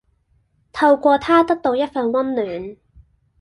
透過它得到一份温暖